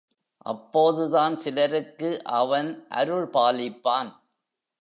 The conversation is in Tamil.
அப்போதுதான் சிலருக்கு அவன் அருள் பாலிப்பான்.